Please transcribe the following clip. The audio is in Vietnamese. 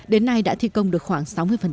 đến nay đã thi công được khoảng sáu mươi